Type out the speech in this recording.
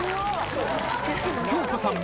恭子さん